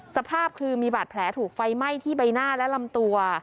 สภาพคือมีบาดแผลถูกไฟไหม้ที่ใบหน้าและลำตัว